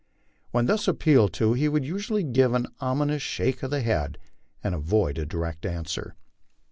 When thus appealed to he would usually give an ominous shake of the head and avoid a direct answer.